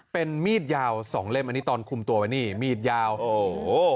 เป็นมีดยาวสองเล่มอันนี้ตอนคุมตัวไว้นี่มีดยาวโอ้โห